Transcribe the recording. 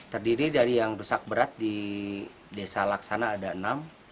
terdiri dari yang rusak berat di desa laksana ada enam